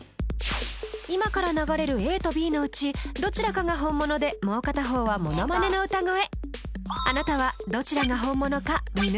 今から流れるＡとＢのうちどちらかが本物でもう片方はモノマネの歌声あなたは願いよかな